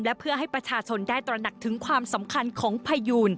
และเพื่อให้ประชาชนได้ตระหนักถึงความสำคัญของพยูน